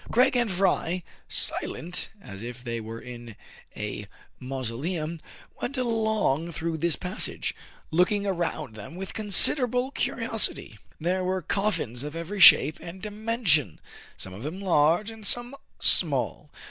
Craig and Fry, silent as if they were in a mau soleum, went along through this passage, looking around them with considerable curiosity. There were coffins of every shape and dimen sion, some of them large and some small.